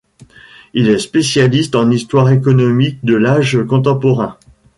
Il est spécialiste en histoire économique de l'âge contemporain.